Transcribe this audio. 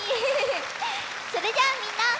それじゃあみんな。